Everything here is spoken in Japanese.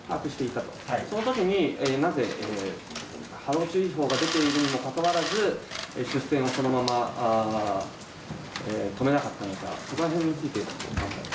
そのときになぜ、波浪注意報が出ているにもかかわらず出船を止めなかったのか、そこら辺を。